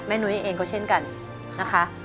นุ้ยเองก็เช่นกันนะคะ